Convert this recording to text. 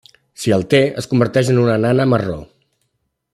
Si el té, es converteix en una nana marró.